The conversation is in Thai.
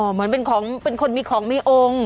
เหมือนเป็นของเป็นคนมีของมีองค์